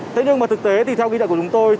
thế nhưng thực tế theo ghi nhận của chúng tôi